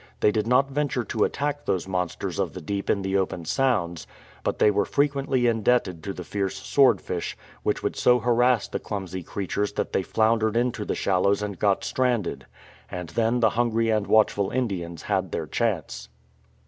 They did not venture to attack those monsters of the deep in the open sounds, but they were frequently indebted to the fierce swordfish, which would so harass the clumsy creatures that they floundered into the shallows and got stranded ; and then the hungry and watchful Indians had their chance.